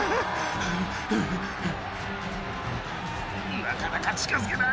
なかなか近づけない。